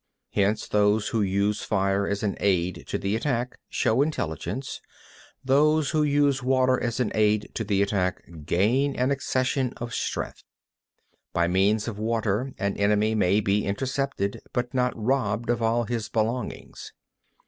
13. Hence those who use fire as an aid to the attack show intelligence; those who use water as an aid to the attack gain an accession of strength. 14. By means of water, an enemy may be intercepted, but not robbed of all his belongings.